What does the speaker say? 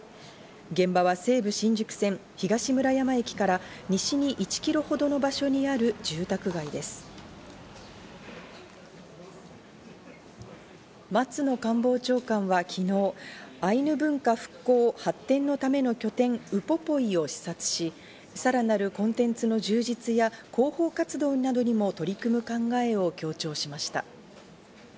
現場は西武新宿線・東村山駅から西に１キロほどの場所にある住宅松野官房長官は昨日、アイヌ文化振興・発展のための拠点ウポポイを視察し、さらなるコンテンツの充実や広報活動などにも取り組む考えを強調しました。